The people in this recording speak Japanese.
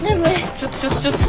ちょっとちょっとちょっと。